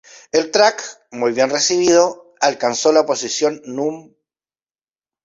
El track, muy bien recibido, alcanzó la posición Núm.